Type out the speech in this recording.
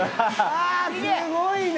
ああすごいね！